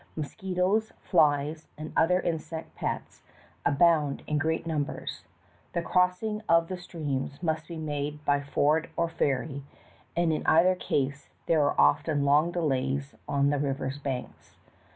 Mosquitoes, flies and other insect pests abound in great numbers; the crossings of the streams must be made by ford or ferry, and in either case there are often long delays on the rivers' . banks.